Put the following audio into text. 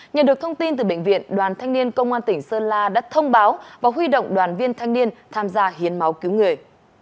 nhận được thông tin từ bệnh viện đoàn thanh niên công an tỉnh sơn la đã thông báo và huy động đoàn viên thanh niên tham gia hiến máu cứu người